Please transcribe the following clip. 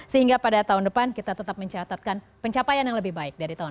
sehingga pada tahun depan kita tetap mencatatkan pencapaian yang lebih baik dari tahun dua ribu